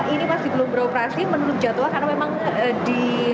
ini masih belum beroperasi menurut jadwal karena memang di